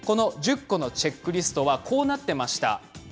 チェックリストはこうなっていました。